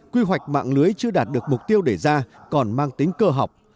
quy hoạch mạng lưới chưa đạt được mục tiêu đề ra còn mang tính cơ học